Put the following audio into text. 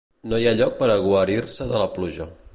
No hi ha lloc per a guarir-se de la pluja.